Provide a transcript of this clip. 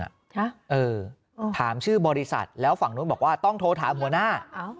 หรือถามชื่อบริษัทแล้วฝั่งโทรจะถามหัวหน้า